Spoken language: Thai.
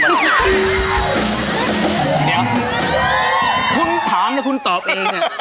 เดี๋ยวคุณถามแล้วคุณตอบเองเนี่ย